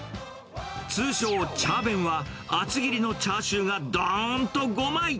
通称チャー弁は、厚切りのチャーシューがどーんと５枚。